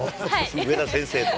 上田先生と。